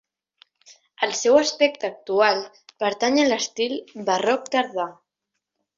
El seu aspecte actual pertany a l'estil barroc tardà.